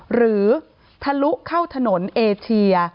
ทะลุเข้าถนนเอเชีย